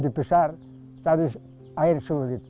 kalau bersih paksa sulit